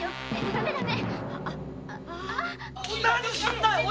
ダメダメ！